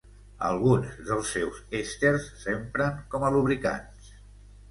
Alguns dels seus èsters s'empren com a lubricants.